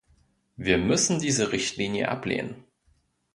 Wir müssen diese Richtlinie ablehnen!